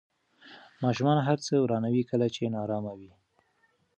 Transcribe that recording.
ماشومان هر څه ورانوي کله چې نارامه وي.